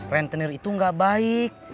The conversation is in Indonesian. rentenir itu gak baik